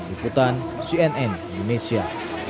iputan cnn indonesia